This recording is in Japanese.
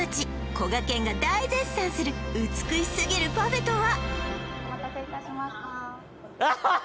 こがけんが大絶賛する美しすぎるパフェとは？